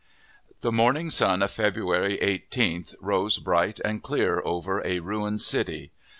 The morning sun of February 18th rose bright and clear over a ruined city.